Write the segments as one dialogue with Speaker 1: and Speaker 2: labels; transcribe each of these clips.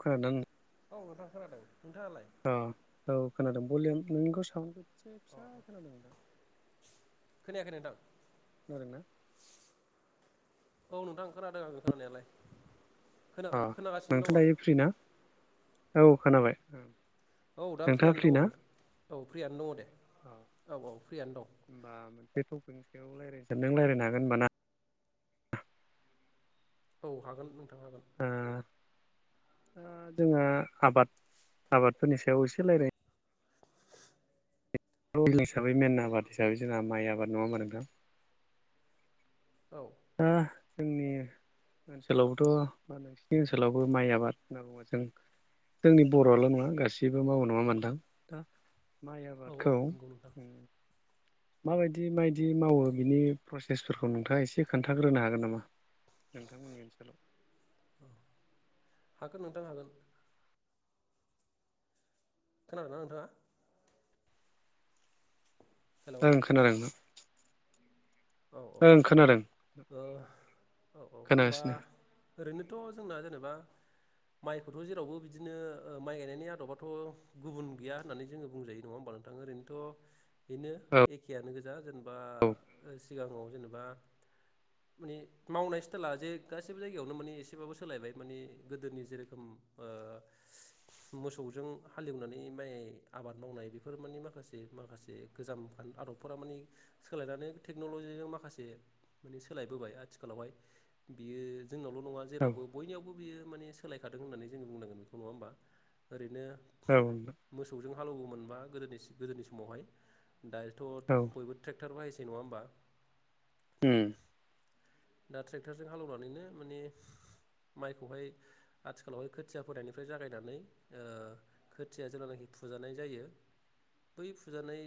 Speaker 1: खोनादों ना नोंथां
Speaker 2: औ नोंथां खोनादों। नोंथाङालाय
Speaker 1: अ औ खोनादों भलिम नोंखौ साउडखौ एसे फिसा खोनादों।
Speaker 2: खोनादों।
Speaker 1: [inaudible]
Speaker 2: औ नोंथां खोनादों आं खोनानायालाय। खोना
Speaker 1: अ
Speaker 2: खोनागासिनो
Speaker 1: नोंथाङा
Speaker 2: दङ
Speaker 1: दायो फ्रि ना? औ खोनाबाय
Speaker 2: औ दा
Speaker 1: नोंथाङा
Speaker 2: फ्रियनो
Speaker 1: फ्रि
Speaker 2: दङ
Speaker 1: ना
Speaker 2: नोंथां। औ फ्रियनो दङ दे।
Speaker 1: अ
Speaker 2: औ औ फ्रियनो दं।
Speaker 1: नों रायलायनो हागोन होनोमबाना!
Speaker 2: औ हागोन नोंथां हागोन।
Speaker 1: ओ जोंहा आबाद आबादफोरनि सायाव एसे रायज्लाय रल हिसाबै मेन आबाद हिसाबै जोंहा माइ आबाद नङा होनबा नोंथां!
Speaker 2: औ
Speaker 1: नोंथाङा जोंनि ओनसोलावबोथ' नोंसिनि ओनसोलावबो माइ आबाद होनना बुङो जों जोंनि बर'आल' नङा गासैबो मावो नङा होनबा नोंथां दा माइ
Speaker 2: औ औ
Speaker 1: आबादखौ
Speaker 2: नंगौ नोंथां औ
Speaker 1: माबायदि मायदि मावो बिनि प्रसेसफोरखौ नोंथाङा एसे खोन्थाग्रोनो हागोन नामा? नोंथांमोननि ओनसोलाव
Speaker 2: हागोन नोंथां हागोन खोनादोंनख नोंथाङा? हेलौ
Speaker 1: ओं खोनादोंनो।
Speaker 2: औ औ औ औ होनबा
Speaker 1: खोनागासिनो
Speaker 2: ओरैनोथ' जोंना जेनेबा माइखौथ' जेरावबो बिदिनो माइ गायनायनि आदबाथ' गुबुन गैया होननानै जोङो बुंजायो नङा होमबालाय बुंनो थाङो ओरैनोथ' बेनो
Speaker 1: औ
Speaker 2: एखेयानो गोजा जेनेबा
Speaker 1: औ
Speaker 2: सिगाङाव जेनेबा माने मावनाय स्टाइला जे गासैबो जायगायावनो माने एसेबाबो सोलायबाय माने गोदोनि जेरोखोम मोसौजों हालेवनानै माइ आबाद मावनाय बेफोर मान माखासे माखासे गोजाम आदबफोरा माने सोलायनानै टेक्न'लजिजों माखासे माने सोलायबोबाय आथिखालावहाय बियो जोंनावल' नङा
Speaker 1: औ
Speaker 2: जेरावबो बयनियावबो बियो माने सोलायखादों होननानै जोंङो बुंनांगोन बेखौ नङा होमबा! ओरैनो
Speaker 1: औ
Speaker 2: मोसौजों हालौवोमोनबा गोदोनिसि गोदोनि समावहाय दायोथ' बयबो ट्रेक्टर बाहायसै नङा होमबा
Speaker 1: उम
Speaker 2: दा ट्रेक्टरजों हालेवनानैनो माने माइखौहाय आथिखालावहाय खोथिया फनिफ्राय जागायनानै ओ खोथिया जेब्लानाखि फुजानाय जायो बै फुजानाय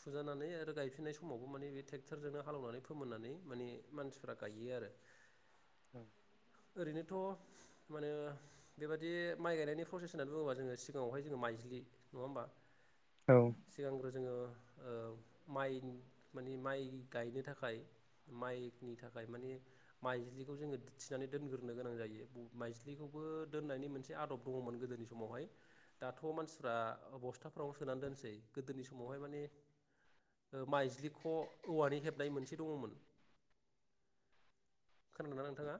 Speaker 2: फुजा नानै आरो गायफिननाय समावबो माने थेट्ररटनो हालनानै फोननानै माने इमान फ्रा गायो आरो
Speaker 1: औव
Speaker 2: ओरैनोथ' मानो बेबाददि माइ गायनायनि प्रसेस होननानै बुङोबा जोङो सिगाङावहाय जोङो माइ फाइजलि नङ होनबा।
Speaker 1: औव
Speaker 2: जोङो ओ माइ माने माइ गायनो थाखाय माइ नि थाखाय माने माइज्लिखौ जोङो थिनानै दोनग्रो गोनां जायो माइज्लिखौबो दोनाय मोनसे आदब दङोमोन गोदोनि समावहाव दाथ' मानसिफ्रा बस्थाफोरावनो सोनानै दोनसै गोदोनि बे समावहाय माने माइज्लिख' औवानि हेबनाय मोनसे दङमोन। खोनादोंना नोंथाङा।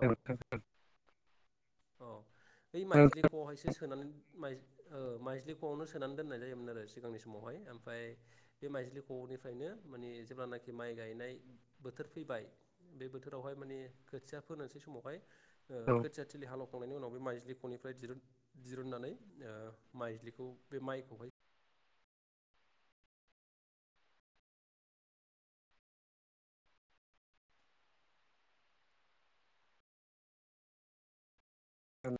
Speaker 1: थ [unintelligible]
Speaker 2: अ बै
Speaker 1: औ
Speaker 2: माइज्लिखौहायसो सोनानै माइ ओ माइज्लिख' सोनानै दोनाय जायोमोन आरो सिगांनि समावहाय ओमफ्राय माइज्लिख'निफ्राय मोनो माने जेब्लानाखि माइ गायनाय बोथोर फैबाय बे बोथोरावहाय माने खोथिया फोनोसै समावहाय ओ
Speaker 1: औ
Speaker 2: खोथि हालौखांनायनि उनाव बे माइज्लिखनिफ्राय दिरुन दिरुननानै ओ माइज्लिखौ बे माइखौहाय
Speaker 1: होम